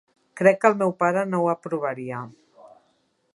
Crec que el meu pare no ho aprovaria